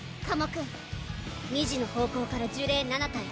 君２時の方向から呪霊７体。